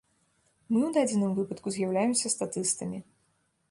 Мы ў дадзеным выпадку з'яўляемся статыстамі.